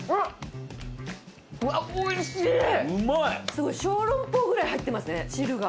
すごい小籠包ぐらい入ってますね汁が。